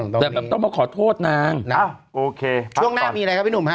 แต่แบบต้องมาขอโทษนางนะโอเคช่วงหน้ามีอะไรครับพี่หนุ่มฮะ